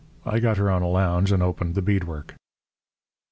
I got her on a lounge and opened the bead work.